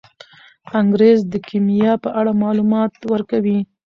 انګریز د کیمیا په اړه معلومات ورکوي.